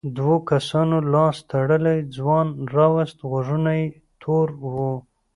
دوو کسانو لاس تړلی ځوان راووست غوږونه یې تور وو.